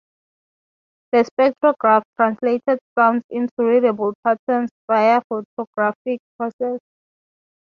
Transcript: The spectrograph translated sounds into readable patterns via a photographic process.